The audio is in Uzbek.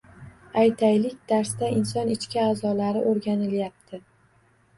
Aytaylik, darsda inson ichki a’zolari o‘rganilyapti.